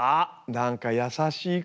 何か優しい声。